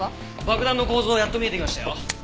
爆弾の構造やっと見えてきましたよ。